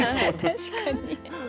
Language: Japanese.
確かに。